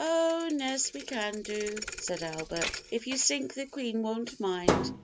"Oh, nes we can, too," said Albert, "if you sink the Queen won't mind."